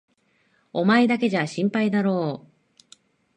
お前だけじゃ心配だろう？